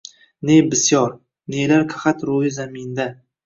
Nelar bisyor, nelar qahat roʼyi zaminda